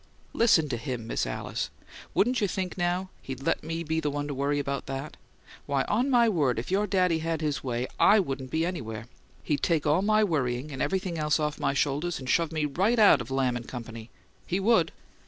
"Listen to him, Miss Alice! Wouldn't you think, now, he'd let me be the one to worry about that? Why, on my word, if your daddy had his way, I wouldn't be anywhere. He'd take all my worrying and everything else off my shoulders and shove me right out of Lamb and Company! He would!"